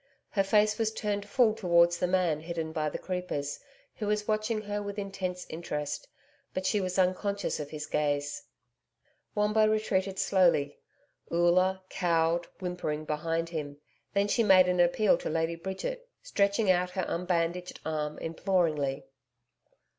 Her face was turned full towards the man hidden by the creepers, who was watching her with intense interest, but she was unconscious of his gaze. Wombo retreated slowly. Oola, cowed, whimpering, behind him. Then, she made an appeal to Lady Bridget, stretching out her unbandaged arm imploringly.